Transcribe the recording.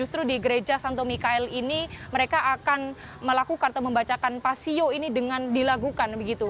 justru di gereja santo mikael ini mereka akan melakukan atau membacakan pasio ini dengan dilakukan begitu